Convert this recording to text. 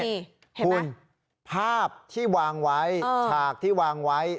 เห็นไหมคุณภาพที่วางไว้ฉากที่วางไว้